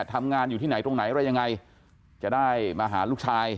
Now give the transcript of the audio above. ทำงานอยู่ที่ไหนตรงไหนอะไรยังไงจะได้มาหาลูกชาย